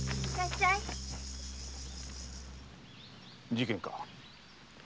事件か？